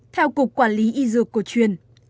theo cục quản lý y dược cổ truyền